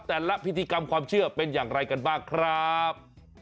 แต่ละพิธีกรรมความเชื่อเป็นอย่างไรกันบ้างครับ